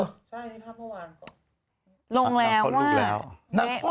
นักคลอดลูก๔เดือนหรอ